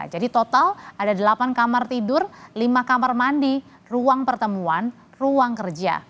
jadi total ada delapan kamar tidur lima kamar mandi ruang pertemuan ruang kerja